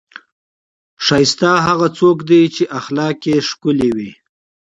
ښایسته هغه څوک دی، چې اخلاق یې ښکلي وي.